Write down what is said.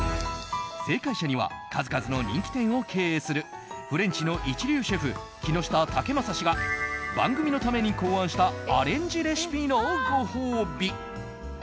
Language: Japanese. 正解者には数々の人気店を経営するフレンチの一流シェフ木下威征氏が番組のために考案したアレンジレシピのご褒美！